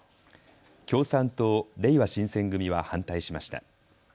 共産党、れいわ新選組は反対しました。